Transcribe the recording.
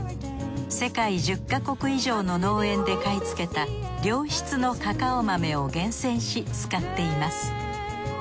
世界１０か国以上の農園で買い付けた良質のカカオ豆を厳選し使っています。